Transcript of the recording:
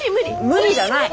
無理じゃない。